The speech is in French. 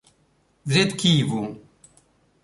Vous êtes qui, vous ?